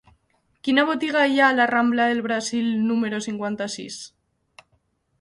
Quina botiga hi ha a la rambla del Brasil número cinquanta-sis?